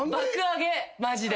マジで。